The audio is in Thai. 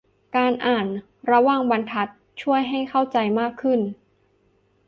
การอ่านระหว่างบรรทัดช่วยให้เข้าใจมากขึ้น